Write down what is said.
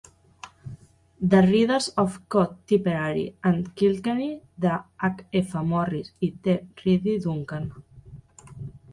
"The Reades of Co Tipperary and Kilkenny" d'H F Morris i T Reade-Duncan.